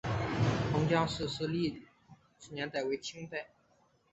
彭家祠的历史年代为清代。